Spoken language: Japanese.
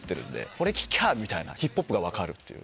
これ聴きゃあみたいなヒップホップが分かるっていう。